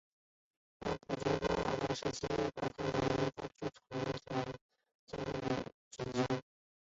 在捕鲸业发达的时期是把它们当成同一种露脊鲸。